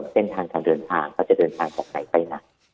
เส้นทางการเดินทางเขาจะเดินทางจากไหนไปไหน